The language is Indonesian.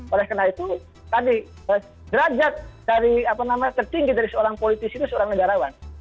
oleh karena itu tadi derajat tertinggi dari seorang politis itu seorang negarawan